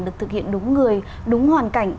được thực hiện đúng người đúng hoàn cảnh